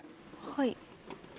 はい。